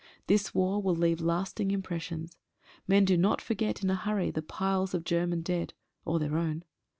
This war will leave lasting impressions. Men do not forget in a hurry the piles of German dead, or their own.